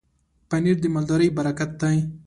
پنېر د مالدارۍ برکت دی.